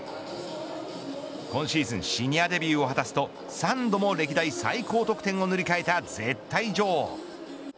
今シーズンシニアデビューを果たすと３度の歴代最高得点を塗り替えた絶対女王。